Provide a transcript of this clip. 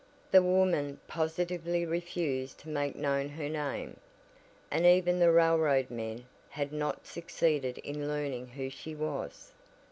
The woman positively refused to make known her name, and even the railroad men had not succeeded in learning who she was.